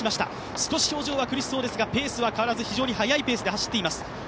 少し表情が苦しそうですが、ペ−スは変わらず少し速いペースで走っています。